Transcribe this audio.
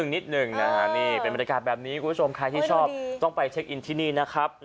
นิดหนึ่งนะฮะนี่เป็นบรรยากาศแบบนี้คุณผู้ชมใครที่ชอบต้องไปเช็คอินที่นี่นะครับ